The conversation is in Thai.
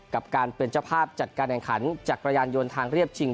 กับการเป็นเจ้าภาพจัดการแข่งขันจักรยานยนต์ทางเรียบชิง